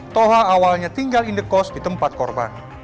toha awalnya tinggal indekos di tempat korban